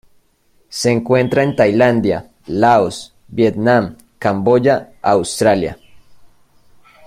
Se encuentra en Tailandia, Laos, Vietnam, Camboya a Australia.